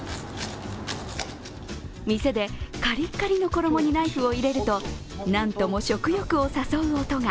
店でカリッカリの衣にナイフを入れるとなんとも食欲を誘う音が。